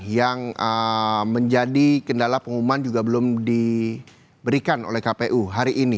yang menjadi kendala pengumuman juga belum diberikan oleh kpu hari ini